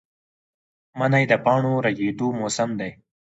منی د پاڼو ریژیدو موسم دی